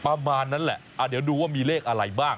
ประมาณนั้นแหละเดี๋ยวดูว่ามีเลขอะไรบ้าง